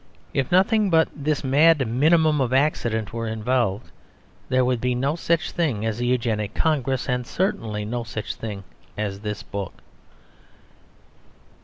If nothing but this mad minimum of accident were involved, there would be no such thing as a Eugenic Congress, and certainly no such thing as this book.